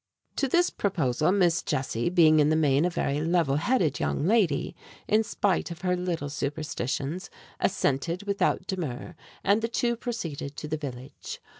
To this proposal Miss Jessie, being in the main a very level headed young lady, in spite of her little superstitions, assented without demur, and the two proceeded to the village.